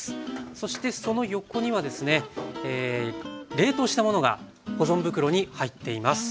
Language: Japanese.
そしてその横にはですね冷凍したものが保存袋に入っています。